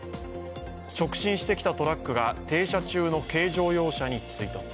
直進してきたトラックが停車中の軽乗用車に追突。